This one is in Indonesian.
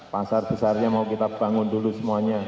pasar besarnya mau kita bangun dulu semuanya